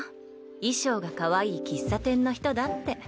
衣装がかわいい喫茶店の人だって。